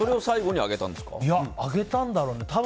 あげたんだろうね。